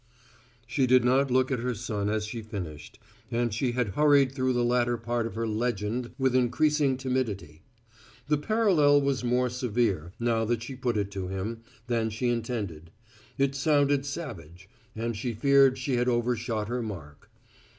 She did not look at her son as she finished, and she had hurried through the latter part of her "legend" with increasing timidity. The parallel was more severe, now that she put it to him, than she intended; it sounded savage; and she feared she had overshot her mark.